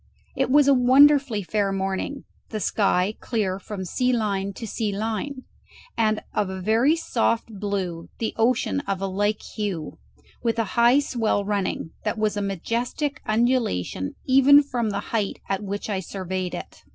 It was a wonderfully fair morning, the sky clear from sea line to sea line, and of a very soft blue, the ocean of a like hue, with a high swell running, that was a majestic undulation even from the height at which I surveyed it.